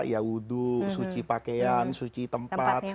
ya wudhu suci pakaian suci tempat